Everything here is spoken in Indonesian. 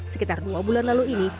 sekitar dua bulan lalu ini